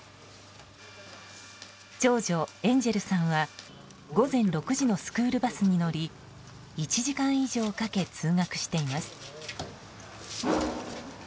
長女エンジェルさんは午前６時のスクールバスに乗り１時間以上かけ通学しています。